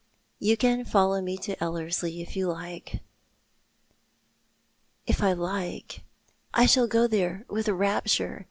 " You can follow me to Ellerslie if you like." " If I like— I shall go there with rapture.